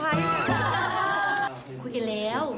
วันพอได้กลัว